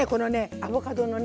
アボカドのね